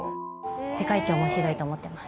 世界一面白いと思ってます。